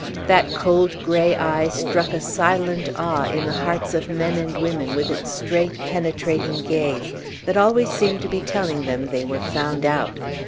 That cold gray eye struck a silent awe into the hearts of men and women with its straight, penetrating gaze, that always seemed to be telling them they were found out.